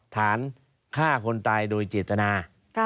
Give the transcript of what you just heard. ฐานฆ่าคนตายโดยเจตนา